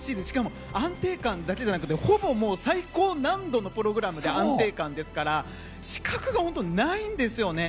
しかも安定感だけじゃなくほぼ最高難度のプログラムで安定感ですから死角が本当にないんです。